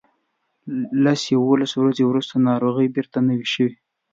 لس یوولس ورځې وروسته ناروغي بیرته نوې شوه.